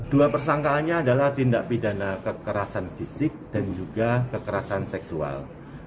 dua persangkaannya adalah tindak pidana kekerasan fisik dan juga kekerasan seksual